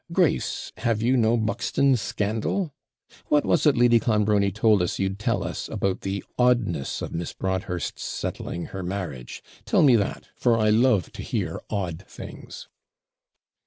Grace, have you no Buxton scandal? What was it Lady Clonbrony told us you'd tell us, about the oddness of Miss Broadhurst's settling her marriage? Tell me that, for I love to hear odd things.'